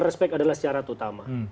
respect adalah syarat utama